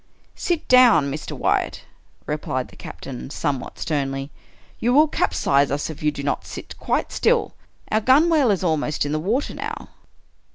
" Sit down, Mr, Wyatt," replied the captain, somewhat sternly, " you will capsize us if you do not sit quite still. Our gunwale is almost in the water now."